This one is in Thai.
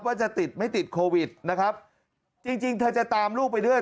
ว่าจะติดไม่ติดโควิดนะครับจริงจริงเธอจะตามลูกไปด้วย